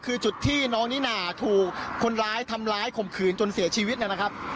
คือจุดที่น้องนิน่าถูกคนร้ายทำร้ายข่มขืนจนเสียชีวิตนะครับ